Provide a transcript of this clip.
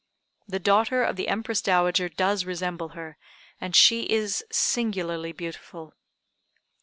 The daughter of the Empress Dowager does resemble her, and she is singularly beautiful."